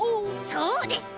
そうです。